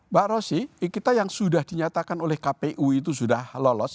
mbak rosy kita yang sudah dinyatakan oleh kpu itu sudah lolos